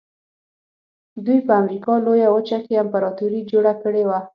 دوی په امریکا لویه وچه کې امپراتوري جوړه کړې وه.